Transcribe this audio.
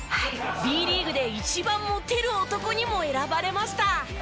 Ｂリーグで一番モテる男にも選ばれました。